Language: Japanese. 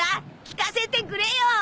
聞かせてくれよ！